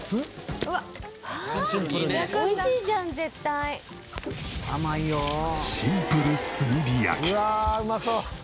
うわあうまそう！